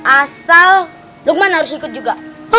asal lukman harus ikut juga